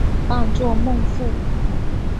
榜作孟富。